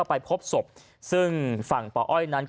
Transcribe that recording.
ไปพบศพซึ่งฝั่งปออ้อยนั้นก็